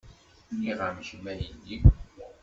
Nniɣ-am kemm a yelli.